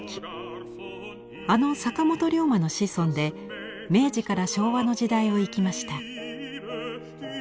あの坂本龍馬の子孫で明治から昭和の時代を生きました。